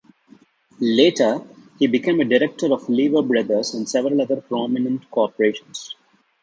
Later he became a director of Lever Brothers and several other prominent corporations.